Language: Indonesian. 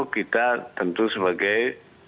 kita tentu sebagai